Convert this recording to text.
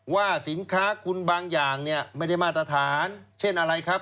ว่าสินค้าคุณบางอย่างเนี่ยไม่ได้มาตรฐานเช่นอะไรครับ